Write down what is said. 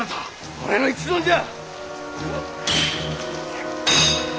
俺の一存じゃ！